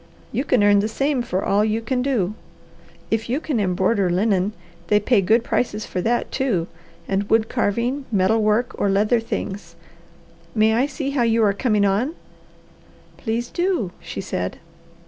You can earn the same for all you can do. If you can embroider linen, they pay good prices for that, too and wood carving, metal work, or leather things. May I see how you are coming on?" "Please do," she said.